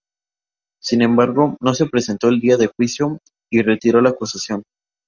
Sin embargo, no se presentó el día del juicio y retiró la acusación.